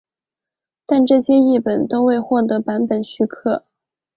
但这些译本都未获版权许可。